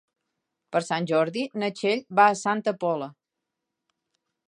Per Sant Jordi na Txell va a Santa Pola.